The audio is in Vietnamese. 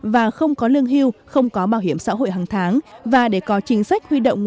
và không có lương hưu không có bảo hiểm xã hội hàng tháng